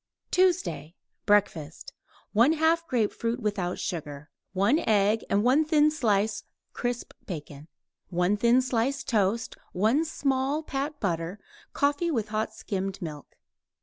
TUESDAY BREAKFAST 1/2 grapefruit (without sugar); 1 egg and 1 thin slice crisp bacon; 1 thin slice toast; 1 small pat butter; coffee with hot skimmed milk.